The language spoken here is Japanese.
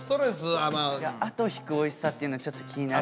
いや「後引く美味しさ」っていうのちょっと気になる。